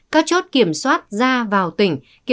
các chốt kiểm soát ra vào tỉnh